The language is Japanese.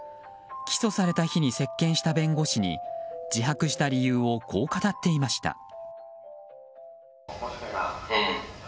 起訴された日に接見した弁護士に自白した理由をこう語っていました。